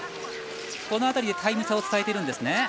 この辺りでタイム差を伝えているんですね。